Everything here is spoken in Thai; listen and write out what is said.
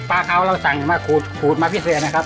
ปลาขาวเราสั่งมาขูดขูดมาพิเศษนะครับ